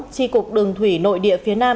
tri cục đường thủy nội địa phía nam